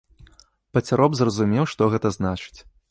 Пацяроб зразумеў, што гэта значыць.